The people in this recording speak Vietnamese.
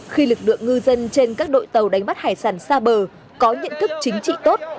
khi lực lượng ngư dân trên các đội tàu đánh bắt hải sản xa bờ có nhận thức chính trị tốt